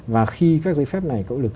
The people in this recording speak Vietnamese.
và khi các dây phép này cấu lực